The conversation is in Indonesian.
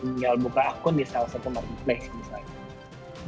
tinggal buka akun di salah satu marketplace misalnya